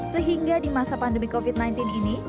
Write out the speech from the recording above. sehingga di masa pandemi covid sembilan belas ini